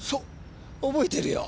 覚えてるよ。